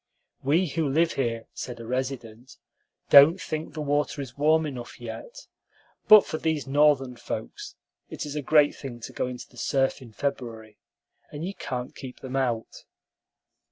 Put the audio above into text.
"We who live here," said a resident, "don't think the water is warm enough yet; but for these Northern folks it is a great thing to go into the surf in February, and you can't keep them out."